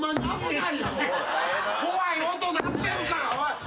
怖い音鳴ってるからおい。